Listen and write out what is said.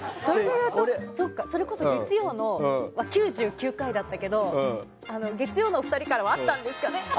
それこそ月曜は９９回だったけど月曜のお二人からはあったんですかね？